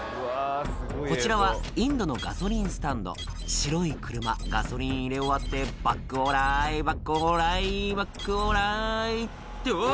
こちらはインドのガソリンスタンド白い車ガソリン入れ終わってバックオーライバックオーライバックオーライってうわ